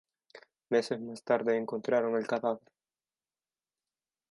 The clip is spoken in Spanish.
Meses más tarde encontraron el cadáver.